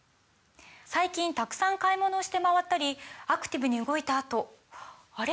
最近たくさん買い物をして回ったりアクティブに動いたあとあれ？